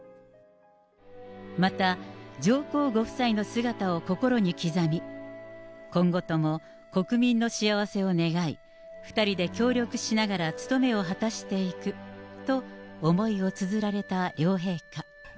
また、上皇ご夫妻の姿を心に刻み、今後とも国民の幸せを願い、２人で協力しながら務めを果たしていくと思いをつづられた両陛下。